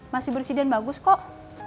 masih bersih dan bagus kok